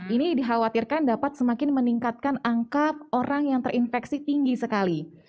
ini dikhawatirkan dapat semakin meningkatkan angka orang yang terinfeksi tinggi sekali